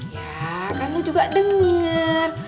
ya kamu juga denger